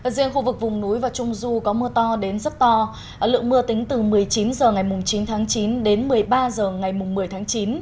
riêng khu vực vùng núi và trung du có mưa to đến rất to lượng mưa tính từ một mươi chín h ngày chín tháng chín đến một mươi ba h ngày một mươi tháng chín